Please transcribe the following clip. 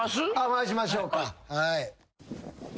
回しましょうか？